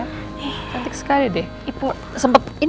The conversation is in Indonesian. cantik sekali deh